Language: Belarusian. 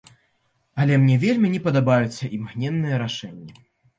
Але мне вельмі не падабаюцца імгненныя рашэнні.